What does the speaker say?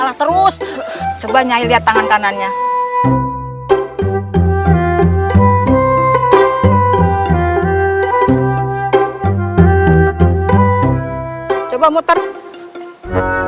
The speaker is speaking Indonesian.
aku harus menggunakan ajem pabuk kasku